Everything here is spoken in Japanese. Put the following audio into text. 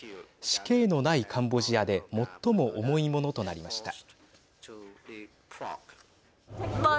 死刑のないカンボジアで最も重いものとなりました。